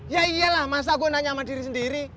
ya iyalah masa gue nanya sama diri sendiri